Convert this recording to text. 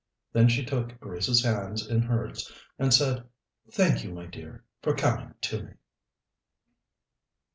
Then she took Grace's hands in hers and said: "Thank you, my dear, for coming to me."